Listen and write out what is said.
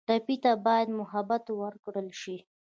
ټپي ته باید محبت ورکړل شي.